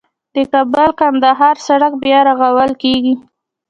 د کابل - کندهار سړک بیا رغول کیږي